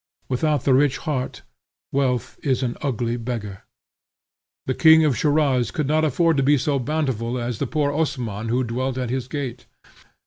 Without the rich heart, wealth is an ugly beggar. The king of Schiraz could not afford to be so bountiful as the poor Osman who dwelt at his gate.